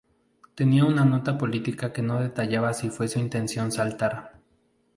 Tenía una nota política que no detallaba si fue su intención saltar.